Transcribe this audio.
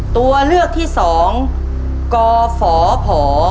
ตัวเลือกที่สองกฟภ